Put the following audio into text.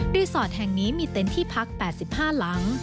รีสอร์ตแห่งนี้มีเต็นที่พัก๘๕หลัง